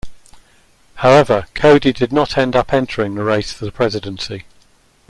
However, Coady did not end up entering the race for the presidency.